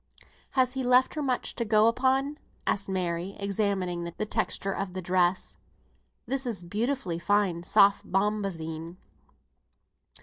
"Has he left her much to go upon?" asked Mary, examining the texture of the dress. "This is beautifully fine soft bombazine."